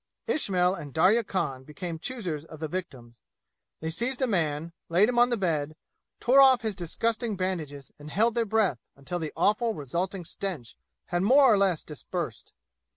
Ismail and Darya Khan became choosers of the victims. They seized a man, laid him on the bed, tore off his disgusting bandages and held their breath until the awful resulting stench had more or less dispersed.